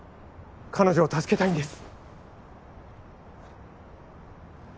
彼女を助けたいんです。